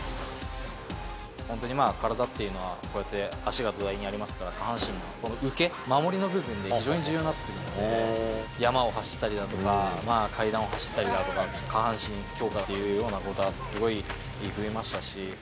本当に体っていうのは、こうやって足が土台にありますから、下半身の、この受け、守りの部分で非常に重要になってくるんで、山を走ったりだとか、階段を走ったりだとか、下半身強化というようなことはすごい増えましたし。